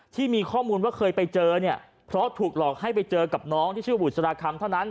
ที่มีข้อมูลว่าเคยไปเจอเนี่ยเพราะถูกหลอกให้ไปเจอกับน้องที่ชื่อบุษราคำเท่านั้น